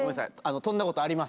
飛んだことあります。